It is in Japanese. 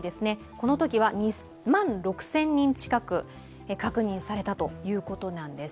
このときは２万６０００人近く確認されたということなんです。